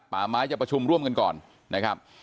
ป่าไม้จะประชุมร่วมกันก่อนนะครับ